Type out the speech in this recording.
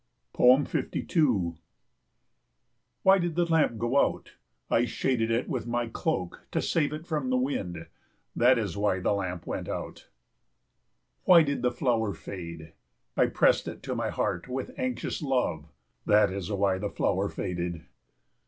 52 Why did the lamp go out? I shaded it with my cloak to save it from the wind, that is why the lamp went out. Why did the flower fade? I pressed it to my heart with anxious love, that is why the flower faded.